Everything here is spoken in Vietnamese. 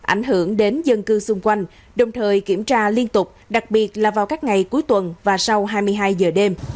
ảnh hưởng đến dân cư xung quanh đồng thời kiểm tra liên tục đặc biệt là vào các ngày cuối tuần và sau hai mươi hai giờ đêm